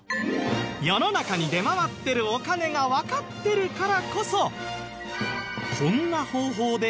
世の中に出回ってるお金がわかってるからこそこんな方法で